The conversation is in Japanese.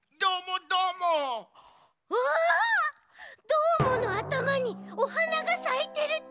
どーものあたまにおはながさいてるち！